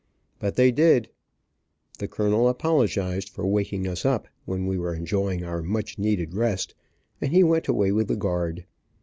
But they did. The colonel apologized for waking us up, when we were enjoying our much needed rest, and he went away with the guard.